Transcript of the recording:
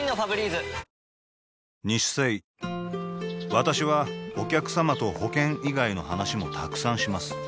私はお客様と保険以外の話もたくさんします